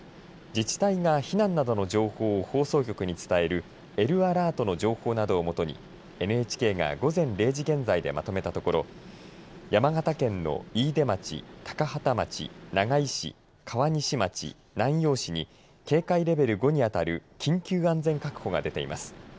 自治体が避難などの情報を放送局に伝えるＬアラートの情報などをもとにＮＨＫが午前０時現在でまとめたところ山形県の飯豊町高畠町長井市、川西町南陽市に警戒レベル５に当たる緊急安全確保が出ています。